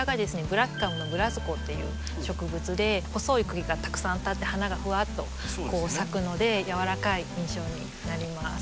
ブラキカムのブラスコっていう植物で細い茎がたくさん立って花がふわっと咲くのでやわらかい印象になります。